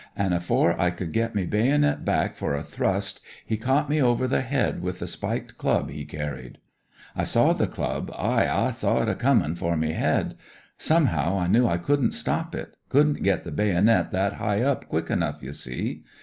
"STICKFAST" AND OFFICER 159 an' afore I could get me baynit back for a thrust he caught me over the head with the spiked club he carried. I saw the club, aye, an' saw it comin' for me head. Some how I knew I couldn't stop it — couldn't get the baynit that high up quick enough, ye see.